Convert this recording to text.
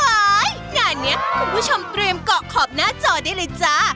งานนี้คุณผู้ชมเตรียมเกาะขอบหน้าจอได้เลยจ้า